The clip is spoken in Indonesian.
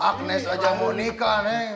agnes aja mau nikah